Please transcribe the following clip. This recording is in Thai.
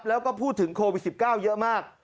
แล้วก็พูดถึงโควิด๑๙เยอะมาก